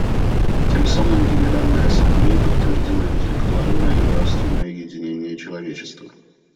Тем самым Генеральная Ассамблея подтвердила интеллектуальное и нравственное единение человечества.